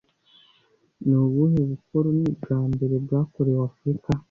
Ni ubuhe bukoloni bwa mbere bwakorewe afurika